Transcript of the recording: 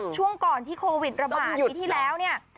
ช่วงก่อนที่โควิดระบาดปีที่แล้วเนี่ย